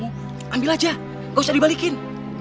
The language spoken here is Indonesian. beda pembinaan kurang lebih luas